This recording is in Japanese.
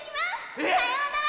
えっ⁉さようなら！